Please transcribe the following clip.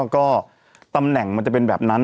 ก็ตำแหน่งมันจะเป็นแบบนั้น